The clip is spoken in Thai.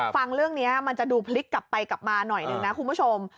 ฟังเรื่องนี้มันจะดูพลิกกลับไปกลับมาหน่อยหนึ่งนะคุณผู้ชม